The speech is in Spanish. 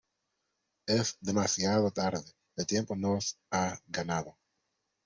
Es demasiado tarde, el tiempo nos ha ganado.